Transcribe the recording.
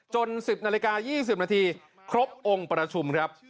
๑๐นาฬิกา๒๐นาทีครบองค์ประชุมครับ